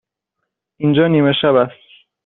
اینجا نیمه شب است.